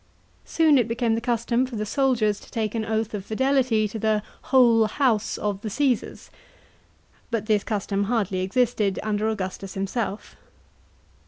Soon it became the custom for the soldiers to take an oath of fidelity to the " whole house of the Ca3sars ;" but this custom hardly existed under Augustus himself.